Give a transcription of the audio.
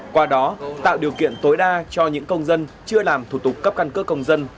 qua đó tạo điều kiện tối đa cho những công dân chưa làm thủ tục cấp căn cước công dân